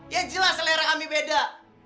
yang jelas selera kami beda